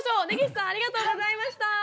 根岸さんありがとうございました！